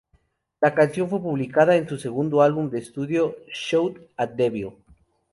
La canción fue publicada en su segundo álbum de estudio "Shout at the Devil".